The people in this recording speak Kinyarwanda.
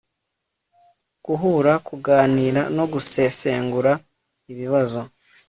guhura kuganira no gusesengura ibibazo